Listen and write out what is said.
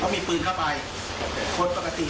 มีพื้นเข้าไปคนปกติเข้าไปเนี่ย